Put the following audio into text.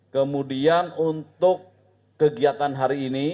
kemudian untuk kegiatan hari ini